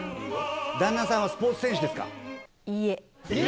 旦那さんはスポーツ選手ですいいえ。